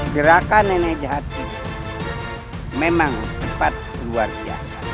tidak tuhan tidak mau